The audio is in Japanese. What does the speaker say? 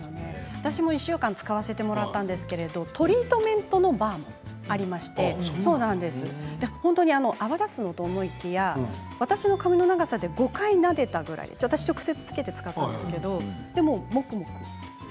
私も１週間使わせてもらったんですがトリートメントのバーもありまして本当に泡立つの？と思いきや私の髪の長さでも５回なでたぐらい直接つけて使うんですがもこもこと。